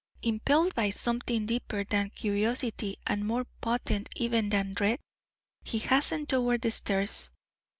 Impelled by something deeper than curiosity and more potent even than dread, he hastened toward the stairs.